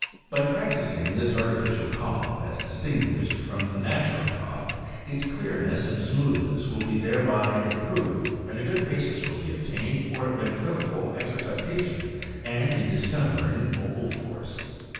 By practicing this artificial cough, as distinguished from the natural cough, its clearness and smooth ness will be thereby improved, and a good basis will be obtained for ventriloquial exercitation and in discovering vocal force.